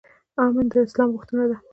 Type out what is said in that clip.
امن د اسلام غوښتنه ده